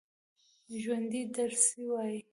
ژوندي درس وايي